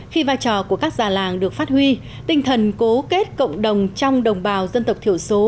khi vai trò của các già làng được phát huy tinh thần cố kết cộng đồng trong đồng bào dân tộc thiểu số